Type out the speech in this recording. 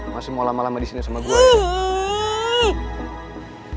masih mau lama lama disini sama gue